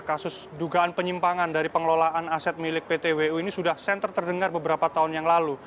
kasus dugaan penyimpangan dari pengelolaan aset milik ptwu ini sudah senter terdengar beberapa tahun yang lalu